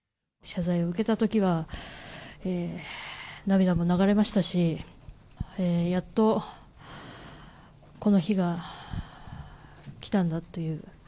謝罪を受けたときは、涙も流れましたし、やっとこの日が来たんだという。